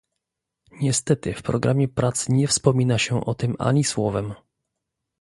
Niestety w programie prac nie wspomina się o tym ani słowem